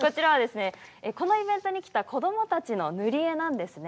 このイベントに来た子どもたちの塗り絵なんですね。